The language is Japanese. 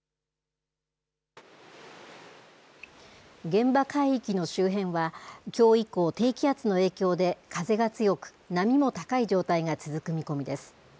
現場海域の周辺は、きょう以降、低気圧の影響で風が強く、波も高い状態が続く見込みです。